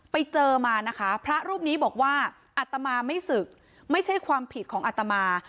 ไปเจอมานะคะพระรูปนี้บอกว่าอัตมาไม่ศึกไม่ใช่ความผิดของอัตมา